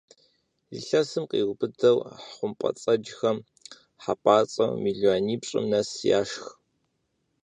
Илъэсым къриубыдэу хъумпӏэцӏэджхэм хьэпӀацӀэу мелуанипщӏым нэс яшх.